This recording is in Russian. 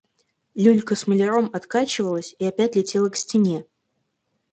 Люлька с маляром откачивалась и опять летела к стене.